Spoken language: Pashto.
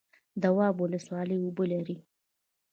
دواب ولسوالۍ اوبه لري؟